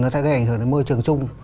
nó sẽ gây ảnh hưởng đến môi trường chung